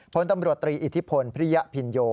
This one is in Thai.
พลตำรวจตรีอิทธิพลพริยพินโย